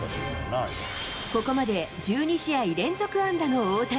ここまで１２試合連続安打の大谷。